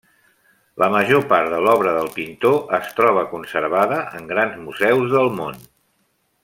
La major part de l'obra del pintor es troba conservada en grans museus del món.